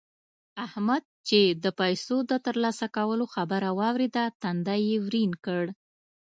احمد چې د پيسو د تر لاسه کولو خبره واورېده؛ تندی يې ورين کړ.